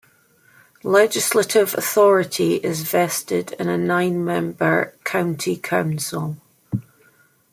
Legislative authority is vested in a nine-member County Council.